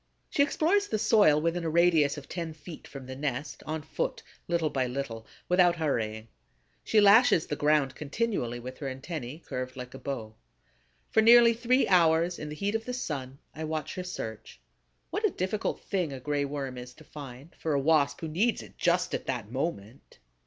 She explores the soil within a radius of ten feet from the nest, on foot, little by little, without hurrying; she lashes the ground continually with her antennæ curved like a bow. For nearly three hours, in the heat of the sun, I watch her search. What a difficult thing a Gray Worm is to find, for a Wasp who needs it just at that moment!